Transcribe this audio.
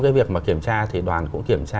cái việc mà kiểm tra thì đoàn cũng kiểm tra